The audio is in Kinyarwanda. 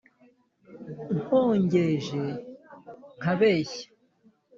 nkongeje nkabeshya